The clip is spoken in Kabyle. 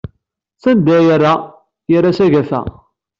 Sanda ay yerra? Yerra s agafa.